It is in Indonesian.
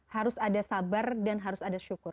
harus ada sabar dan harus ada syukur